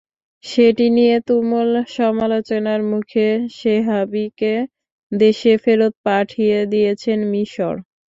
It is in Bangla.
সেটি নিয়ে তুমুল সমালোচনার মুখে শেহাবিকে দেশে ফেরত পাঠিয়ে দিয়েছে মিসর।